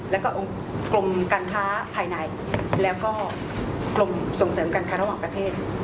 แล้วก็องค์กรมการค้าภายในแล้วก็กรมส่งเสริมการค้าระหว่างประเทศ